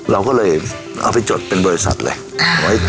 เราก็เลยเอาไปจดเป็นบริษัทเลย